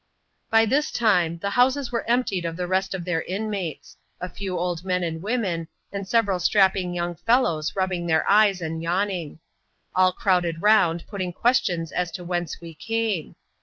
By this time, the houses were emptied of the rest of their Inmates — a few old men and women, and several strapping young fellows rubbing their eyes and yawning. All crowded round putting questions as to whence we came.